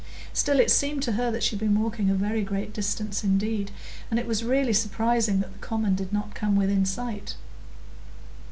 Still, it seemed to her that she had been walking a very great distance indeed, and it was really surprising that the common did not come within sight.